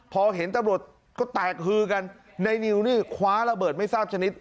พอเห็นตำรวจก็แตกฮือกันในนิวนี่คว้าระเบิดไม่ทราบชนิด